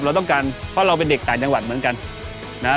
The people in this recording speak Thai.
เราต้องการเพราะเราเป็นเด็กต่างจังหวัดเหมือนกันนะฮะ